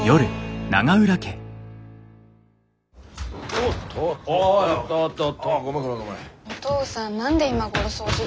お父さん何で今頃掃除機？